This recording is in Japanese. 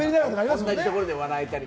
同じところで笑えたり。